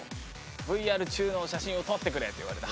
「ＶＲ中の写真を撮ってくれ」って言われて。